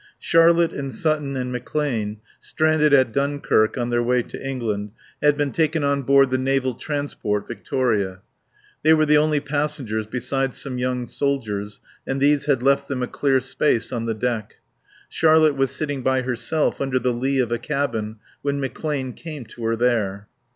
Charlotte and Sutton and McClane, stranded at Dunkirk on their way to England, had been taken on board the naval transport Victoria. They were the only passengers besides some young soldiers, and these had left them a clear space on the deck. Charlotte was sitting by herself under the lee of a cabin when McClane came to her there.